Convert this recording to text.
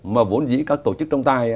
mà vốn dĩ các tổ chức trọng tài